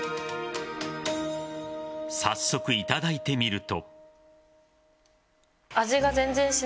早速、いただいてみると。